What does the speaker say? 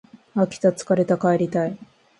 飽きた疲れた帰りたい